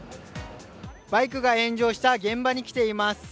バイクが炎上した現場に来ています。